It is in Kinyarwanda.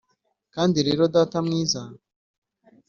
kandi rero, data mwiza,